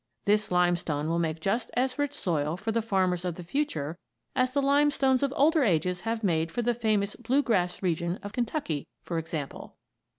This limestone will make just as rich soil for the farmers of the future as the limestones of other ages have made for the famous Blue Grass region of Kentucky, for example.